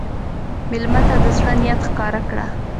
مېلمه ته د زړه نیت ښکاره کړه.